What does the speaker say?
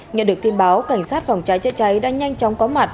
nhận được tin báo cảnh sát phòng cháy chữa cháy đã nhanh chóng có mặt